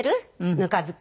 ぬか漬け。